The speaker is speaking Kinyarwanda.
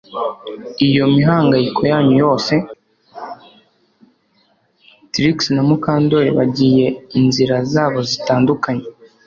Trix na Mukandoli bagiye inzira zabo zitandukanye